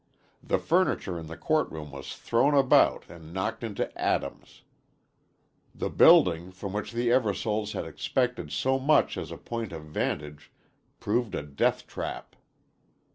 The furniture in the court room was thrown about and knocked into atoms. The building, from which the Eversoles had expected so much as a point of vantage, proved a death trap.